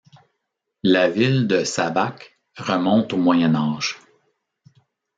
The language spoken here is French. La ville de Šabac remonte au Moyen Âge.